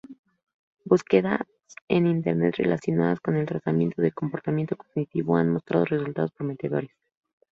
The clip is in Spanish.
Búsquedas en internet relacionadas con el tratamiento de comportamiento cognitivo han mostrado resultados prometedores.